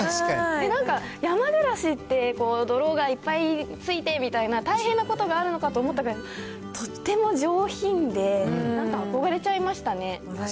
なんか山暮らしって、泥がいっぱいついてみたいな、大変なことがあるのかと思ったけど、とっても上品で、なんかあこがれちゃいましたね。